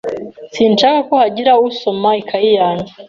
Sinshaka ko hagira usoma ikayi yanjye.